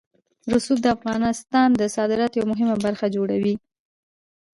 رسوب د افغانستان د صادراتو یوه مهمه برخه جوړوي.